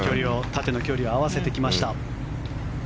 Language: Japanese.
縦の距離を合わせてきました。